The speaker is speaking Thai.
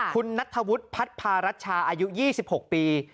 คุณนัทธวุฒิพัฒนภารัชชาอายุ๒๖ปี